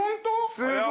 すごい。